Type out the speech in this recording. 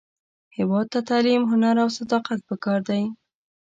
هیواد ته تعلیم، هنر، او صداقت پکار دی